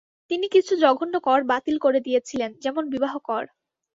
তিনি কিছু জঘন্য কর বাতিল করে দিয়েছিলেন, যেমন বিবাহ-কর।